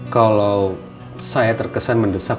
kalau saya terkesan mendesak